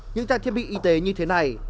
những trang thiết bị y tế như thế này